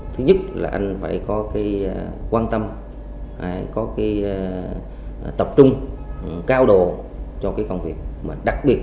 thứ nhất là anh phải có cái quan tâm có cái tập trung cao độ cho cái công việc mà đặc biệt